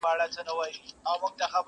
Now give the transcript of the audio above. بیا د ژړو ګلو وار سو د زمان استازی راغی.!